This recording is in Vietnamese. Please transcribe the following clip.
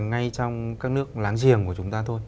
ngay trong các nước láng giềng của chúng ta thôi